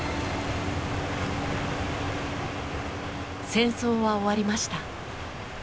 戦争は終わりました。